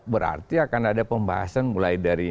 berarti akan ada pembahasan mulai dari